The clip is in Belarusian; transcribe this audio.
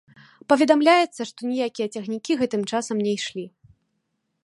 Паведамляецца, што ніякія цягнікі гэтым часам не ішлі.